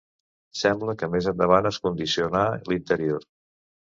Sembla que més endavant es condicionà l'interior.